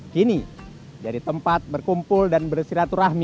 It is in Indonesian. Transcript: kini jadi tempat berkumpul dan bersilaturahmi